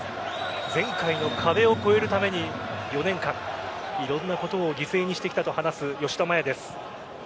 前回の壁を越えるために４年間、いろんなことを犠牲にしてきたと話す吉田麻也です。